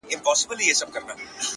څڼور له ټولو څخه ورک دی”